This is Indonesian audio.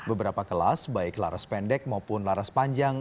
beberapa kelas baik laras pendek maupun laras panjang